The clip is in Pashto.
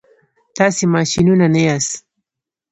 تاسي ماشینونه نه یاست.